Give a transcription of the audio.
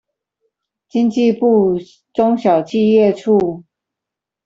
經濟部中小企業處